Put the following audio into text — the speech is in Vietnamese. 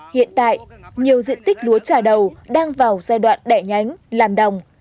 hiện tại nhiều diện tích lúa trà đầu đang vào giai đoạn đẻ nhánh làm đồng